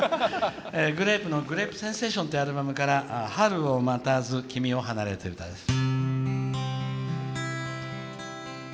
グレープの「グレープセンセーション」というアルバムから「春を待たず君を離れ」という歌です。